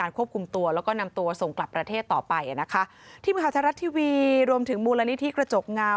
ทีมขาวชาวรัฐทีวีรวมถึงบุรณนิถีกระจกเงา